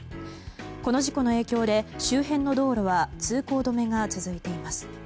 この事故の影響で周辺の道路は通行止めが続いています。